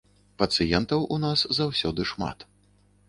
Пацыентаў у нас заўсёды шмат.